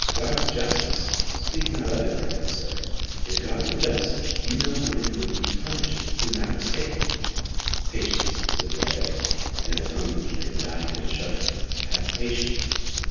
"God's justice! Speak not of it, reverend sir. If God were just, you know how many would be punished who now escape." "Patience," said the abbé, in a tone which made the dying man shudder; "have patience!"